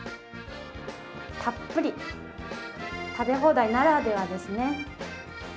たっぷり食べ放題ならではですね。